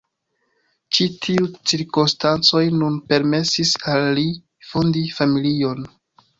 Ĉi tiuj cirkonstancoj nun permesis al li fondi familion.